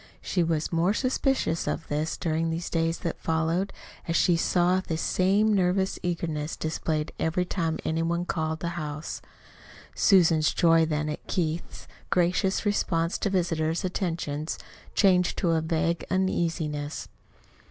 She was the more suspicious of this during the days that followed, as she saw this same nervous eagerness displayed every time any one called at the house. Susan's joy then at Keith's gracious response to visitors' attentions changed to a vague uneasiness.